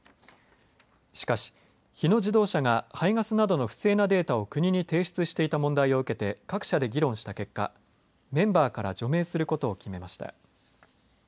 しかし、日野自動車が排ガスなどの不正なデータを国に提出していた問題を受けて各社で議論した結果メンバーから除名することを決めました。